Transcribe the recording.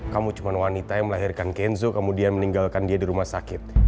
kamu cuma wanita yang melahirkan kenzo kemudian meninggalkan dia di rumah sakit